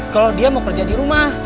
kalau dia mau kerja di rumah